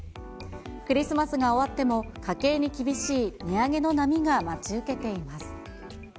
クリスマスが終わっても、家計に厳しい値上げの波が待ち受けています。